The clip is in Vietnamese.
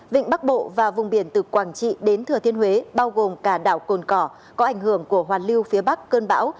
vịnh bắc bộ và vùng biển từ quảng trị đến thừa thiên huế bao gồm cả đảo cồn cỏ có ảnh hưởng của hoàn lưu phía bắc cơn bão